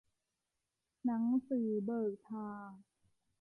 หนังสือเบิกทาง